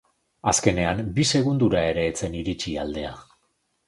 Azkenean bi segundura ere ez zen iritsi aldea.